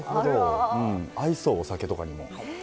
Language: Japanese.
合いそう、お酒とかにも。